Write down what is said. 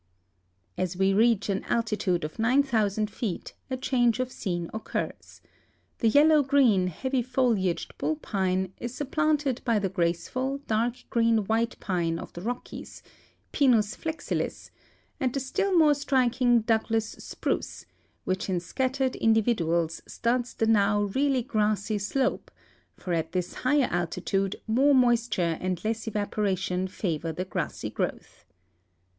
As we reach an altitude of 9,000 feet a change of scene occurs; the 3^ellow green, heavj^ foliagecl bull pine is supplanted b}^ the graceful, dark green white pine of the Rockies (Pinus flexilis) and the still more striking Douglas spruce, which in scattered indi viduals studs the now really grassy slope, for at this higher alti tude more moisture and less evaporation favor the grassy growth.